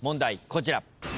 こちら。